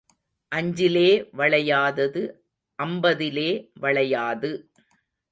அஞ்சிலே வளையாதது அம்பதிலே வளையாது.